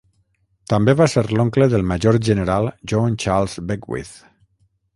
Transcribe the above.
També va ser l'oncle del Major general John Charles Beckwith.